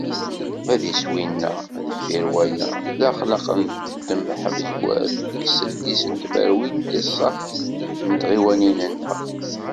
Ma d iswi-nneɣ deffir waya, d axlaq n temḥezwert gar seddis tmerwin d ṣa n tɣiwanin-nneɣ.